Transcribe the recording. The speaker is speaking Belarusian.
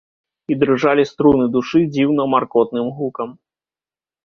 І дрыжалі струны душы дзіўна маркотным гукам.